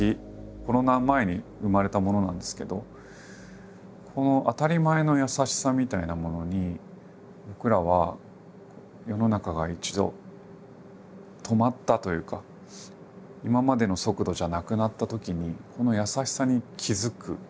コロナ前に生まれたものなんですけどこの当たり前の優しさみたいなものに僕らは世の中が一度止まったというか今までの速度じゃなくなったときにこの優しさに気付く。